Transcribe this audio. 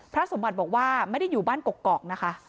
สมบัติบอกว่าไม่ได้อยู่บ้านกกอกนะคะ